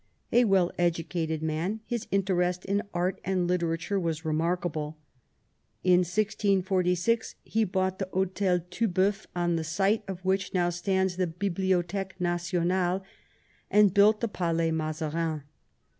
A well educated man, his interest in art and literature was remarkable. In 1646 he bought the Hdtel Tuboeuf, on the site of which now stands the " Biblioth^que Nationale," and built the Palais Mazarin.